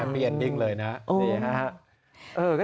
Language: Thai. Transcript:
เปลี่ยนดิ้งเลยนะดีครับ